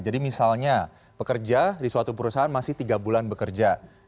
jadi misalnya pekerja di suatu perusahaan masih tiga bulan bekerja